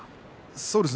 そうですね。